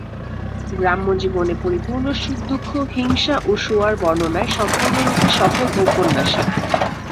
গ্রাম্য জীবনে পরিপূর্ণ সুখ-দুঃখ, হিংসা-অসূয়ার বর্ণনায় সম্পূর্ণরূপে সফল ঔপন্যাসিক।